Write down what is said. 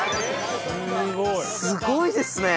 すごいですね！